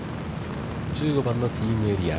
１５番のティーイングエリア。